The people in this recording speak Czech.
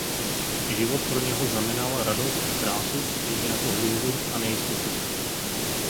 Život pro něho znamenal radost a krásu stejně jako hrůzu a nejistotu.